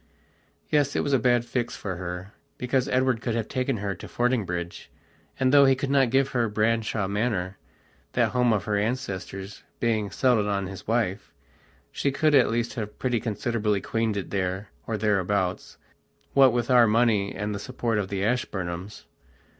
Yes, it was a bad fix for her, because Edward could have taken her to Fordingbridge, and, though he could not give her Branshaw Manor, that home of her ancestors being settled on his wife, she could at least have pretty considerably queened it there or thereabouts, what with our money and the support of the Ashburnhams.